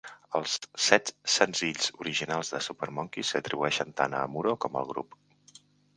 Els set senzills originals de Super Monkey's s'atribueixen tant a Amuro com al grup.